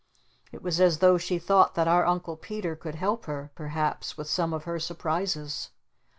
It was as though she thought that our Uncle Peter could help her perhaps with some of her surprises.